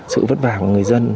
sự vất vả của người dân